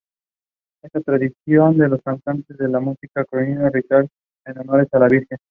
Es tradicional que los cantantes de música criolla le rindan honores a la Virgen.